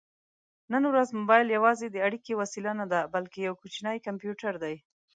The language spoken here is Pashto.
نن ورځ مبایل یوازې د اړیکې وسیله نه ده، بلکې یو کوچنی کمپیوټر دی.